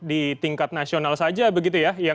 di tingkat nasional saja begitu ya